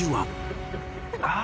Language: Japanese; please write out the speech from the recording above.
あ。